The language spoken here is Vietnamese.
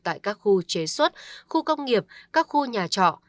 tại các khu chế xuất khu công nghiệp các khu nhà trọ